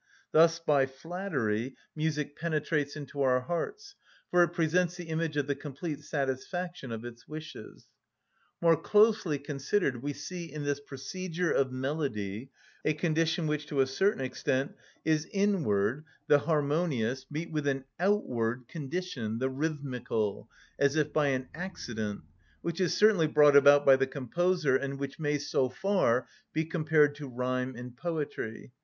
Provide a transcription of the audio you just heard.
Thus, by flattery, music penetrates into our hearts, for it presents the image of the complete satisfaction of its wishes. More closely considered, we see in this procedure of melody a condition which, to a certain extent, is inward (the harmonious) meet with an outward condition (the rhythmical), as if by an accident,—which is certainly brought about by the composer, and which may, so far, be compared to rhyme in poetry.